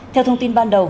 theo thông tin ban đầu